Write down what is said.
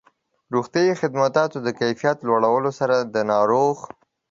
روغتیایي خدماتو د کيفيت لوړولو سره د ناروغ